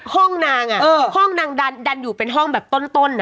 ห้องนางห้องนางดันอยู่เป็นห้องแบบต้น